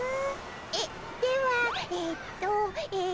えっではえっとえっと。